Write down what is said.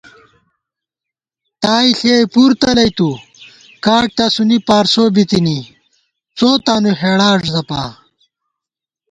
تائےݪِیَئ پُر تلَئیتُو کاٹ تونی پارسو بِتِنی ، څو تانُو ہېڑا زپا